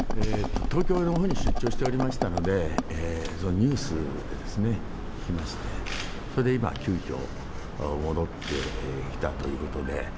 東京のほうに出張しておりましたので、ニュースでですね、聞きまして、それで今急きょ、戻ってきたということで。